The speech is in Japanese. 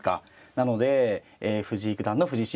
なので藤井九段の藤井システム。